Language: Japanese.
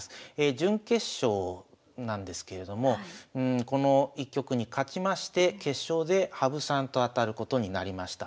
準決勝なんですけれどもこの一局に勝ちまして決勝で羽生さんとあたることになりました。